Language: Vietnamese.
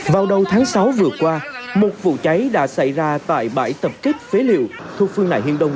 vào đầu tháng sáu vừa qua một vụ cháy đã xảy ra tại bãi tập kết phế liệu thuộc phương nại hiên đông